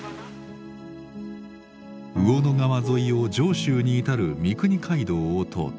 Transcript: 魚野川沿いを上州に至る三国街道を通って。